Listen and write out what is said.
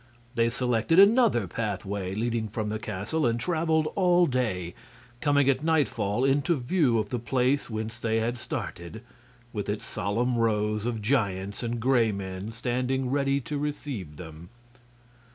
They selected another pathway leading from the castle and traveled all day, coming at nightfall into view of the place whence they had started, with its solemn rows of giants and Gray Men standing ready to receive them.